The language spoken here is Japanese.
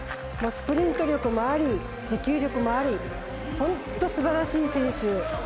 スプリント力もあり持久力もあり本当、すばらしい選手。